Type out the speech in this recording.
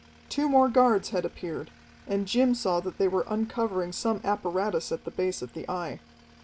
Two more guards had appeared, and Jim saw that they were uncovering some apparatus at the base of the Eye.